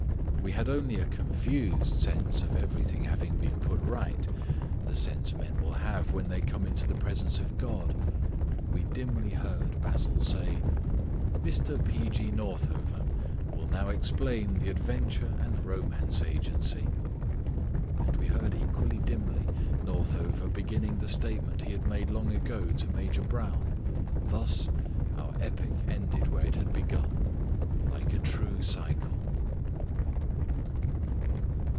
We had only a confused sense of everything having been put right, the sense men will have when they come into the presence of God. We dimly heard Basil say: "Mr P. G. Northover will now explain the Adventure and Romance Agency." And we heard equally dimly Northover beginning the statement he had made long ago to Major Brown. Thus our epic ended where it had begun, like a true cycle.